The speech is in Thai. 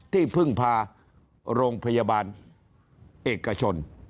ที่พึ่งพาโรงพยาบาลเอกชน